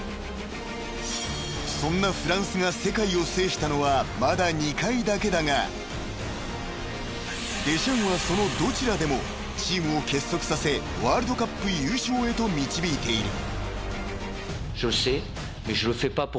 ［そんなフランスが世界を制したのはまだ２回だけだがデシャンはそのどちらでもチームを結束させワールドカップ優勝へと導いている］